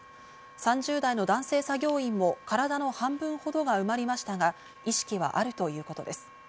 ３０代の男性作業員も体の半分ほどが埋まりましたが、意識はあるということです。